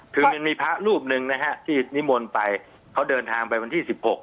คือมันมีพระรูปหนึ่งนะฮะที่นิมนต์ไปเขาเดินทางไปวันที่๑๖